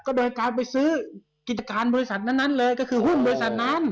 โดยการไปซื้อกิจการบริษัทนั้นเลยก็คือหุ้นบริษัทนั้น